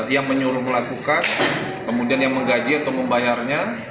yang menyuruh melakukan kemudian yang menggaji atau membayarnya